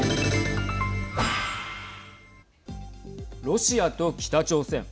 ロシアと北朝鮮。